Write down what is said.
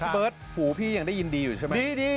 เบิร์ตหูพี่ยังได้ยินอยู่ใช่ไหม